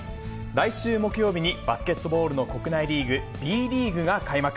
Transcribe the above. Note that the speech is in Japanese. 来週木曜日にバスケットボールの国内リーグ、Ｂリーグが開幕。